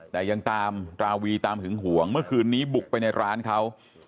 แต่ยังตามราวีตามหึงห่วงเมื่อคืนนี้บุกไปในร้านเขา